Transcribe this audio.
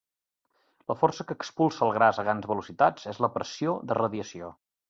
La força que expulsa el gas a grans velocitats és la pressió de radiació.